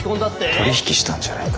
取り引きしたんじゃないか？